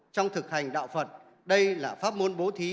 trong thực hành đạo phật đây là pháp môn bố thí